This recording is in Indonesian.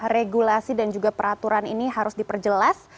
regulasi dan juga peraturan ini harus diperjelas